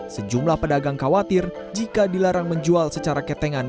sejumlah pedagang khawatir jika dilarang menjual secara ketengan